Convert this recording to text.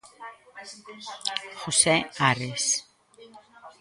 José Ares.